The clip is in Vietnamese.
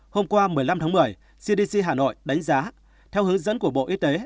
hôm qua một mươi năm tháng một mươi cdc hà nội đánh giá theo hướng dẫn của bộ y tế